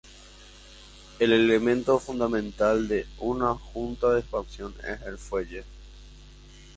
El elemento fundamental de una junta de expansión es el fuelle.